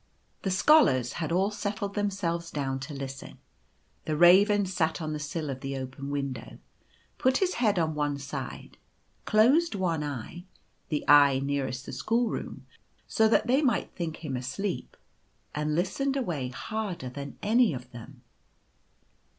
The scholars had all settled themselves down to listen ; the Raven sat on the sill of the open window, put his head on one side, closed one eye — the eye nearest the Three Unhappy Pupils. 105 school room — so that they might think him asleep, and listened away harder than any of them.